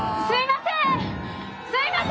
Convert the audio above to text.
すいません！